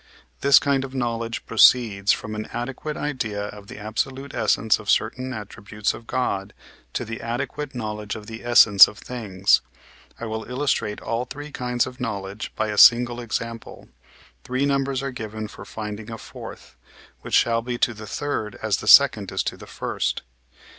This kind of knowledge proceeds from an adequate idea of the absolute essence of certain attributes of God to the adequate knowledge of the essence of things. I will illustrate all three kinds of knowledge by a single example. Three numbers are given for finding a fourth, which shall be to the third as the second is to the first.